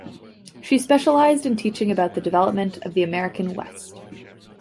She specialized in teaching about the development of the American West.